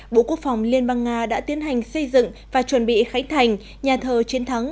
bộ quốc phòng liên bang nga đã tiến hành xây dựng và chuẩn bị khánh thành nhà thờ chiến thắng